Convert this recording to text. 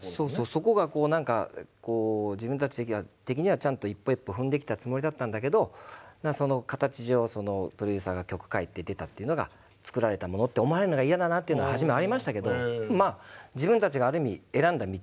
そこがこう何かこう自分たち的にはちゃんと一歩一歩踏んできたつもりだったんだけどその形上プロデューサーが曲書いて出たというのが作られたものって思われるのが嫌だなというのは初めありましたけど自分たちがある意味選んだ道でもあったので。